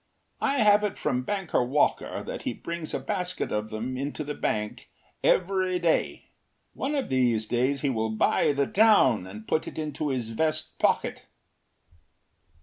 I have it from Banker Walker that he brings a basket of them into the bank every day. One of these days he will buy the town and put it into his vest pocket.